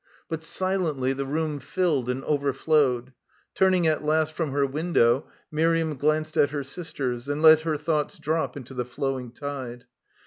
But silently the room filled and overflowed. Turning at last from her window, Miriam glanced at her sisters and let her thoughts drop into the flowing tide.